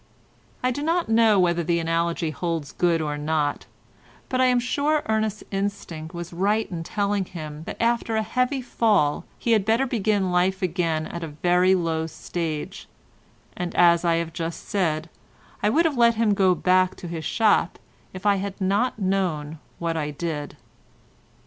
I do not know whether the analogy holds good or not, but I am sure Ernest's instinct was right in telling him that after a heavy fall he had better begin life again at a very low stage, and as I have just said, I would have let him go back to his shop if I had not known what I did.